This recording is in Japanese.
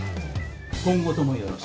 今後ともよろしく。